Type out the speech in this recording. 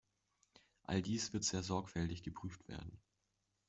All dies wird sehr sorgfältig geprüft werden.